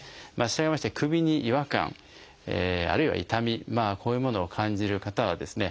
したがいまして首に違和感あるいは痛みこういうものを感じる方はですね